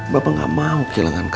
bapak gak mau kehilangan kamu